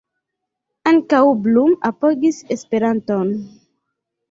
Ankaŭ Blum apogis Esperanton.